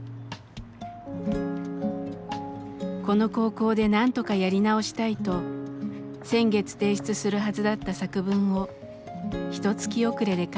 この高校でなんとかやり直したいと先月提出するはずだった作文をひとつき遅れで書いていました。